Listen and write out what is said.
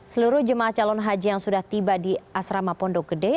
seluruh jemaah calon haji yang sudah tiba di asrama pondok gede